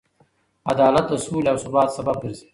عدالت د سولې او ثبات سبب ګرځي.